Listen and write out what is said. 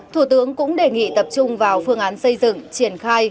thủ tướng cũng đề nghị tập trung vào phương án xây dựng triển khai